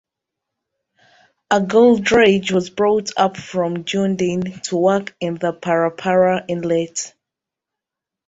A gold dredge was brought up from Dunedin to work in the Parapara Inlet.